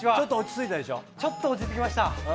ちょっと落ち着きました。